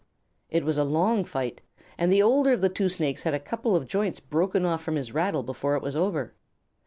It was a long fight, and the older of the two Snakes had a couple of joints broken off from his rattle before it was over.